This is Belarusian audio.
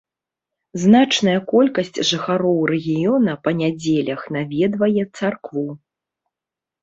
Значная колькасць жыхароў рэгіёна па нядзелях наведвае царкву.